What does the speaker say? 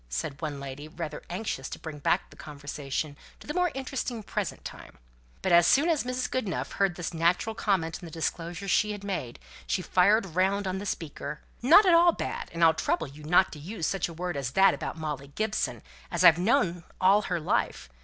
said one lady, rather anxious to bring back the conversation to the more interesting present time. But as soon as Mrs. Goodenough heard this natural comment on the disclosures she had made, she fired round on the speaker: "Not at all bad, and I'll trouble you not to use such a word as that about Molly Gibson, as I've known all her life.